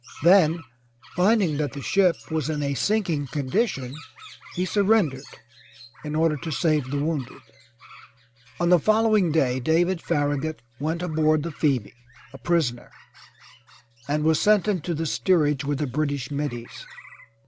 Then, finding that the ship was in a sinking condition, he surrendered in order to save the wounded. On the following day, David Farragut went aboard the 361 M Y BOOK HOUSE Phoebe, a prisoner, and was sent into the steerage with the British middies.